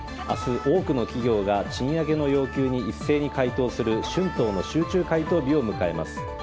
明日、多くの企業が賃上げの要求に一斉に回答する春闘の集中回答日を迎えます。